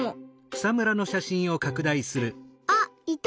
あっいた！